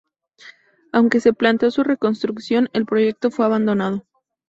Aunque se planteó su reconstrucción, el proyecto fue abandonado.